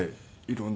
色んな。